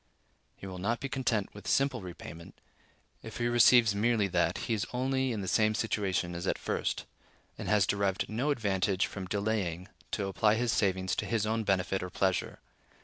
He will not be content with simple repayment; if he receives merely that, he is only in the same situation as at first, and has derived no advantage from delaying to apply his savings to his own benefit or pleasure.